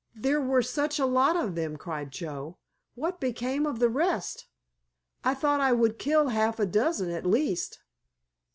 "There were such a lot of them," cried Joe; "what became of the rest? I thought I would kill half a dozen at least."